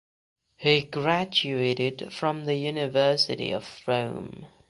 He graduated from the University of Rome.